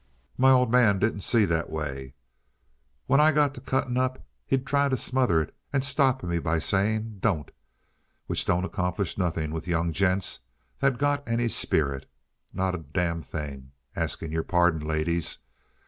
"My old man didn't see it that way. When I got to cutting up he'd try to smother it, and stop me by saying: 'Don't!' Which don't accomplish nothing with young gents that got any spirit. Not a damn thing asking your pardon, ladies!